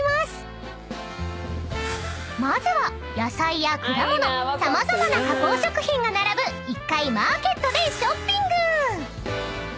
［まずは野菜や果物様々な加工食品が並ぶ１階マーケットでショッピング］